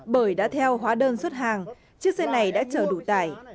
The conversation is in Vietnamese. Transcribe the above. bởi đã theo hóa đơn xuất hàng chiếc xe này đã chở đủ tải